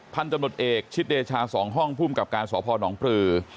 พันธุ์ตำรวจเอกชิดเดชา๒ห้องภูมิกับการสพนปลือ